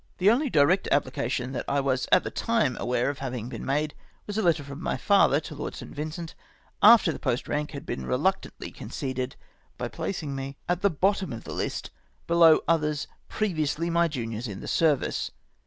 Tlie only direct apphcation tliat I was at the time aware of lia\dng been made was a letter from my father to Lord St. Vincent, after the post rank had been re luctantly conceded by placing me at the bottom of the list, below others previously my juniors in the service